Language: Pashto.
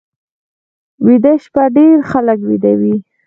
ویده شپه ډېر خلک ویده وي